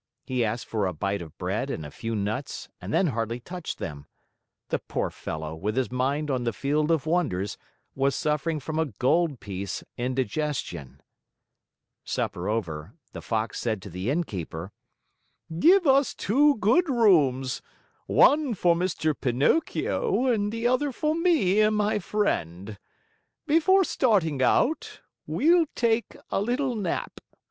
He asked for a bite of bread and a few nuts and then hardly touched them. The poor fellow, with his mind on the Field of Wonders, was suffering from a gold piece indigestion. Supper over, the Fox said to the Innkeeper: "Give us two good rooms, one for Mr. Pinocchio and the other for me and my friend. Before starting out, we'll take a little nap.